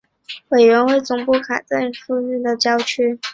委员会总部设在卡宴附近的郊区。